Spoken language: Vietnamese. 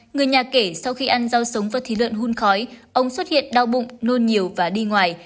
người nhà kể sau khi ăn rau sống và thịt lợn hun khói ông xuất hiện đau bụng nôn nhiều và đi ngoài